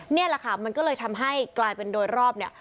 นี่แหละค่ะมันก็เลยทำให้กลายเป็นโดยรอบเนี่ย